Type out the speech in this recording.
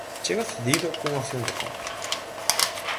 Chega cedido cunha opción de compra.